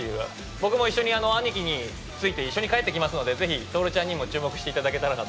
僕も一緒に兄貴について、一緒に帰ってきますので、ぜひとおるちゃんにも注目していただけたらなと。